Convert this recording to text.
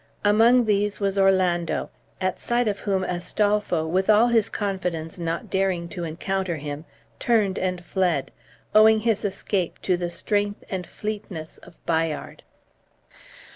Among these was Orlando, at sight of whom Astolpho, with all his confidence not daring to encounter him, turned and fled, owing his escape to the strength and fleetness of Bayard.